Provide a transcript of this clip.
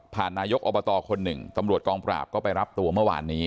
นายกอบตคนหนึ่งตำรวจกองปราบก็ไปรับตัวเมื่อวานนี้